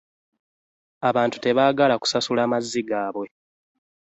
Abantu tebaagala kusasula mazzi gaabwe.